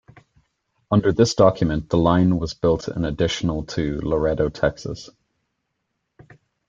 Under this document, the line was built an additional to Laredo, Texas.